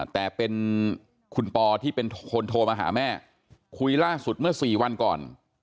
แต่เป็นคุณปอที่เป็นคนโทรมาหาแม่คุยล่าสุดเมื่อสี่วันก่อน